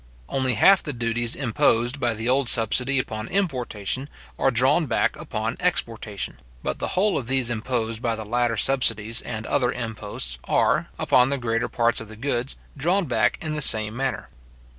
Only half the duties imposed by the old subsidy upon importation, are drawn back upon exportation; but the whole of those imposed by the latter subsidies and other imposts are, upon the greater parts of the goods, drawn back in the same manner.